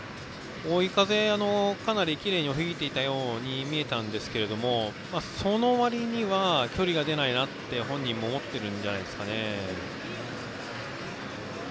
追い風がかなりきれいに吹いていたように見えたんですけどもそのわりには距離が出ないなと本人も思っているんじゃないですかね。